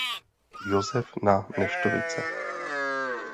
Josef na neštovice.